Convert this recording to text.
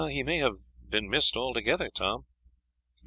"He may have been missed altogether, Tom."